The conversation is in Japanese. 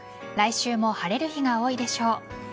来週も晴れる日が多いでしょう。